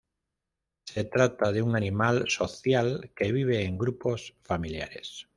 Se trata de un animal social que vive en grupos familiares.